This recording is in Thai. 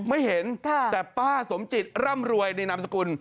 ไม่เห็นแต่ป้าสมจิตร่ำรวยในนามสกุล